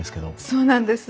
そうなんです。